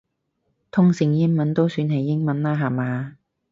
通勝英文都算係英文啦下嘛